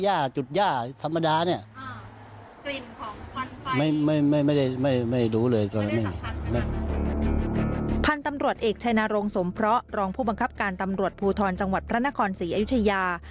พันธุ์ตำรวจเอกชัยนรงสมเพราะรองผู้บังคับการตำรวจภูทรจังหวัดพระนครศรีอยุธยา